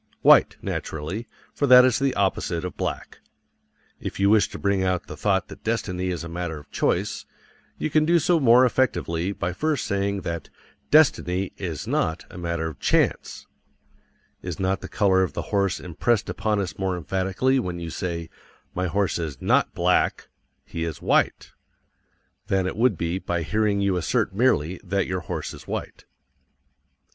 White, naturally, for that is the opposite of black. If you wish to bring out the thought that destiny is a matter of choice, you can do so more effectively by first saying that "DESTINY is NOT a matter of CHANCE." Is not the color of the horse impressed upon us more emphatically when you say, "My horse is NOT BLACK. He is WHITE" than it would be by hearing you assert merely that your horse is white?